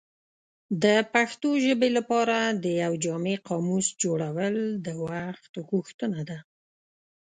د پښتو ژبې لپاره د یو جامع قاموس جوړول د وخت غوښتنه ده.